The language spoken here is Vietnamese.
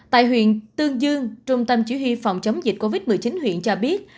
tại huyện tương dương trung tâm chỉ huy phòng chống dịch covid một mươi chín huyện cho biết